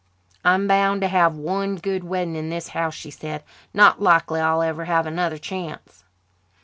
"I'm bound to have one good wedding in this house," she said. "Not likely I'll ever have another chance."